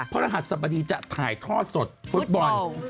รหัสสบดีจะถ่ายทอดสดฟุตบอล